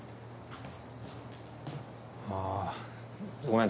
ああごめん